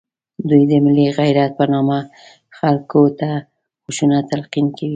دوی د ملي غیرت په نامه خلکو ته خشونت تلقین کوي